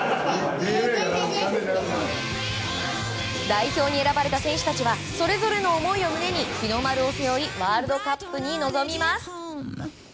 代表に選ばれた選手たちはそれぞれの思いを胸に日の丸を背負いワールドカップに臨みます。